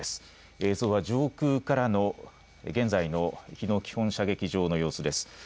映像は上空からの現在の日野基本射撃場の様子です。